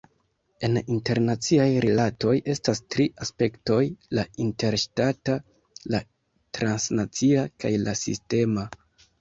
En internaciaj rilatoj estas tri aspektoj: la interŝtata, la transnacia kaj la sistema.